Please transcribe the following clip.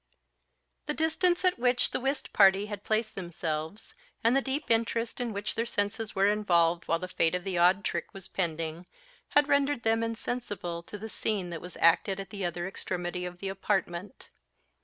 _ THE distance at which the whist party had placed themselves, and the deep interest in which their senses were involved while the fate of the odd trick was pending, had rendered them insensible to the scene that was acting at the other extremity of the apartment.